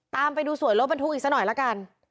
ตามไปดูสวยรถบรรทุกอีกสักหน่อยละกัน